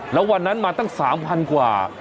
แล้ววันนั้นมาตั้ง๓๐๐กว่า